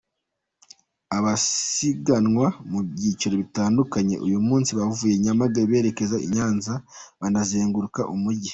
Abasiganwa mu byiciro bitandukanye , uyu munsi bavuye Nyamagabe berekeza i Nyanza, banazenguruka umujyi.